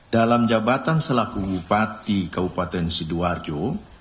dalam jabatan selaku bupati kabupaten sidoarjo